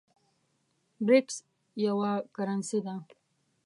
برېکس یوه کرنسۍ ده